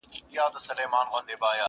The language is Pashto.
ویل تم سه چي بېړۍ دي را رسیږي!